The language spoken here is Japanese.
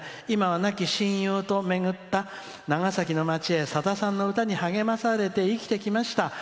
今は亡き親友と巡った長崎の街へさださんの歌に励まされて生きてきました。